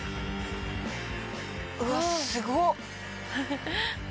うわっすごっ！